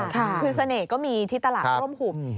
คือเสน่ห์ก็มีที่ตลาดร่มหุบ